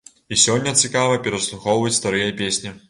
І сёння цікава пераслухоўваць старыя песні.